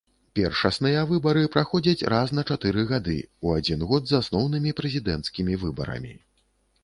Першасныя выбары праходзяць раз на чатыры годы, у адзін год з асноўнымі прэзідэнцкімі выбарамі.